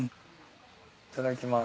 いただきます。